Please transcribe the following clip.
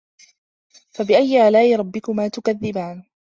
فَبِأَيِّ آلاءِ رَبِّكُما تُكَذِّبانِ